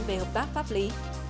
về hợp tác pháp lý